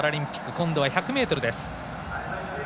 今度は１００ｍです。